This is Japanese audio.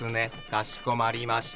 かしこまりました。